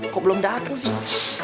kok belum datang sih